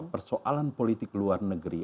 persoalan politik luar negeri